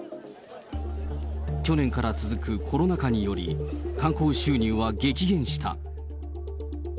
去年から続くコロナ禍により、観光収入は激減した。